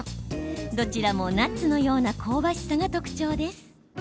どちらもナッツのような香ばしさが特徴です。